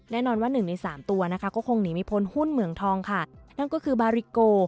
แน่นอนว่าหนึ่งในสามตัวนะคะก็คงหนีไม่พ้นหุ้นเหมืองทองค่ะนั่นก็คือบาริโก